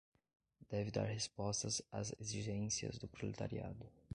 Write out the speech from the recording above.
deve dar resposta às exigências do proletariado